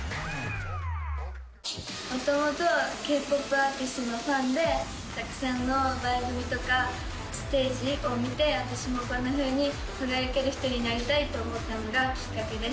もともとＫ−ＰＯＰアーティストのファンで、たくさんの番組とかステージを見て、私もこんなふうに輝ける人になりたいと思ったのがきっかけです。